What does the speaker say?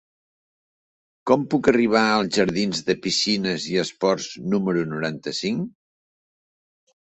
Com puc arribar als jardins de Piscines i Esports número noranta-cinc?